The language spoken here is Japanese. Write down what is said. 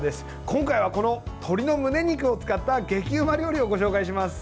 今回は、この鶏のむね肉を使った激うま料理をご紹介します。